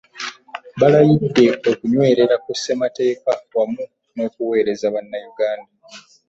Balayidde okunywerera ku ssemateeka wamu n’okuweereza bannayuganda